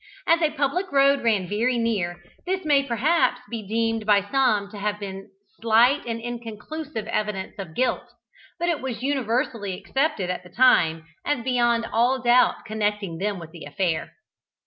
As a public road ran very near, this may perhaps be deemed by some to have been slight and inconclusive evidence of their guilt; but it was universally accepted at the time as beyond all doubt connecting them with the affair.